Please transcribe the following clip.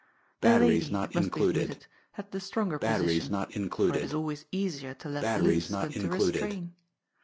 The lady, it must be admitted, had the stronger posi tion, for it is always easier to let loose than to restrain.